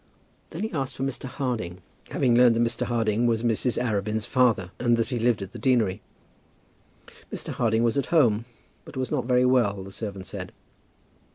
Then he asked for Mr. Harding, having learned that Mr. Harding was Mrs. Arabin's father, and that he lived at the deanery. Mr. Harding was at home, but was not very well, the servant said.